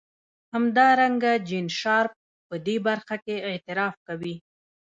همدارنګه جین شارپ په دې برخه کې اعتراف کوي.